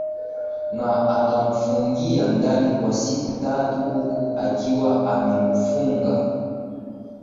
na akamfungia ndani kwa siku tatu huku akiwa amemfunga